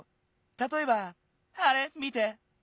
たとえばあれ見て。